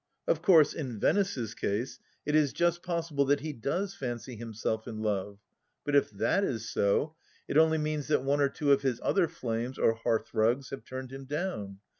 Of course, in Venice's case, it is just possible that he does fancy himself in love, but if that is so, it only means that one or two of his other flames, or hearthrugs, have turned him down.